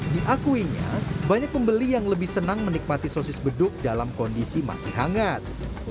diakuinya banyak pembeli yang lebih senang menikmati sosis beduk dalam kondisi masih hangat